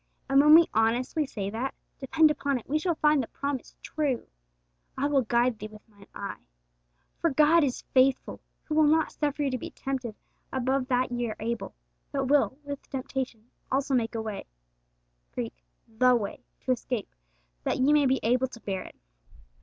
And when we honestly say that, depend upon it we shall find the promise true, 'I will guide thee with Mine eye.' For God is faithful, who will not suffer you to be tempted above that ye are able, but will, with the temptation, also make a way (Gr. the way) to escape, that ye may be able to bear it.